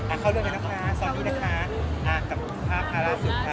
อ่ะเข้าร่วมยังไงนะคะอันทุกคนด้วยนะคะ